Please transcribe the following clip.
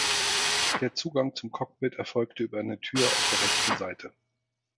Der Zugang zum Cockpit erfolgte über eine Tür auf der rechten Seite.